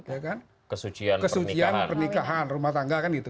ya kan kesucian pernikahan rumah tangga kan gitu